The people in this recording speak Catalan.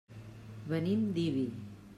Venim d'Ibi.